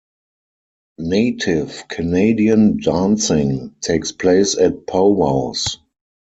Native Canadian dancing takes place at pow wows.